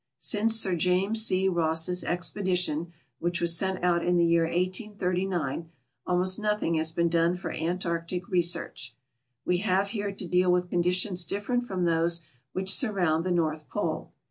Since Sir James C. Ross' expedition, which was sent out in the year 1839, almost nothing has been done for Antarctic research. We have here to deal with conditions different from those which surround the North Pole.